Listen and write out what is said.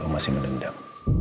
om masih menendam